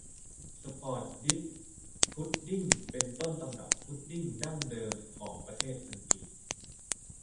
สปอร์ตดิ๊ดพุดดิ้งเป็นต้นตำรับพุดดิ้งดั้งเดิมของประเทศอังกฤษ